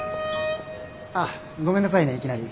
あっごめんなさいねいきなり。